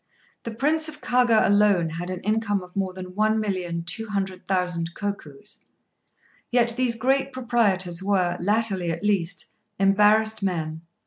The Prince of Kaga alone had an income of more than one million two hundred thousand kokus. Yet these great proprietors were, latterly at least, embarrassed men.